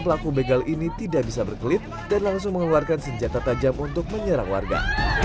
pelaku begal ini tidak bisa berkelit dan langsung mengeluarkan senjata tajam untuk menyerang warga